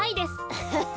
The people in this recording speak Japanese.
アハハ。